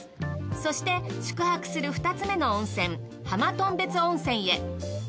そして宿泊する２つ目の温泉はまとんべつ温泉へ。